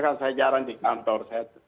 karena saya jarang di kantor